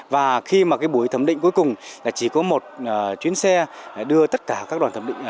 và khi buổi thẩm định cuối cùng chỉ có một chuyến xe đưa tất cả các đoàn thẩm định